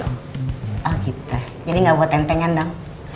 oh gitu jadi gak buat entengan dong